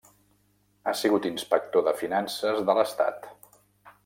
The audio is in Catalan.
Ha sigut inspector de finances de l'estat.